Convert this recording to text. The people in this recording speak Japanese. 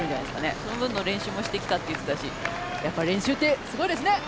その分の練習をしてきたって言ってたし練習ってすごいですね。